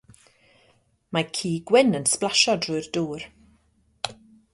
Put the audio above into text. Mae ci gwyn yn sblasio drwy'r dŵr